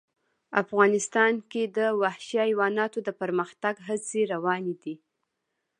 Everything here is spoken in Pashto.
افغانستان کې د وحشي حیوانات د پرمختګ هڅې روانې دي.